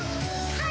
はい！